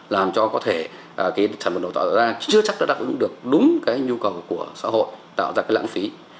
làm cho có thể cái sản phẩm đào tạo tạo ra chưa chắc đã đáp ứng được đúng cái nhu cầu của xã hội tạo ra cái lãng phí